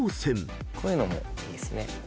こういうのもいいですね。